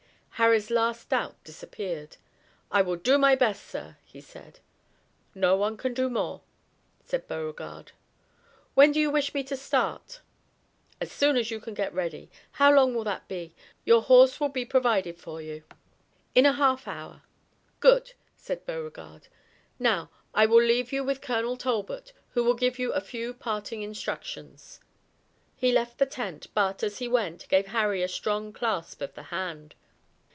Harry's last doubt disappeared. "I will do my best, sir," he said. "No one can do more," said Beauregard. "When do you wish me to start?" "As soon as you can get ready. How long will that be? Your horse will be provided for you." "In a half hour." "Good," said Beauregard. "Now, I will leave you with Colonel Talbot, who will give you a few parting instructions." He left the tent, but, as he went, gave Harry a strong clasp of the hand.